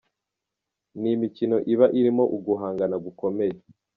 Ni imikino iba irimo uguhangana gukomeye.